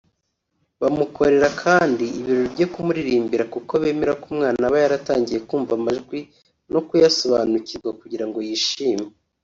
Bamukorera kandi ibirori byo kumuririmbira kuko bemera ko umwana aba yaratangiye kumva amajwi no kuyasobanukirwa kugira ngo yishime